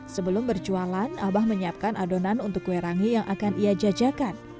sebelum berjualan abah menyiapkan adonan untuk kue rangi yang akan ia jajakan